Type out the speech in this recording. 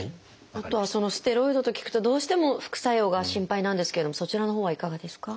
あとはステロイドと聞くとどうしても副作用が心配なんですけれどもそちらのほうはいかがですか？